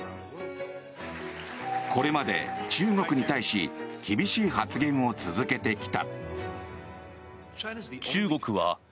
これまで中国に対し厳しい発言を続けてきた。